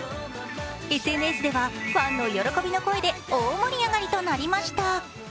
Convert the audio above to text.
ＳＮＳではファンの喜びの声で大盛り上がりとなりました。